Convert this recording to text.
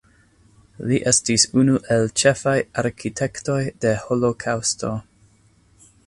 Li estis unu el ĉefaj arkitektoj de holokaŭsto.